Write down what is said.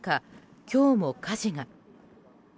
今日も火事が。